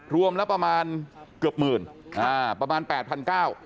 รวมแล้วประมาณเกือบหมื่นประมาณ๘๙๐๐บาท